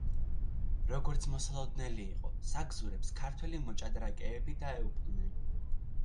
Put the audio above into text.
როგორც მოსალოდნელი იყო საგზურებს ქართველი მოჭდრაკეები დაეუფლნენ.